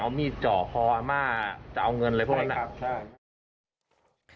เอามีจ่อคอมาจะเอาเงินเลยพวกนั้นแหละใช่ครับใช่